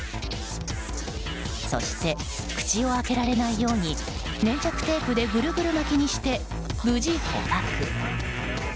そして、口を開けられないように粘着テープでぐるぐる巻きにして無事、捕獲。